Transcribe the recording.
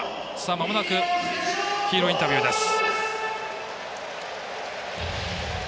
まもなくヒーローインタビューです。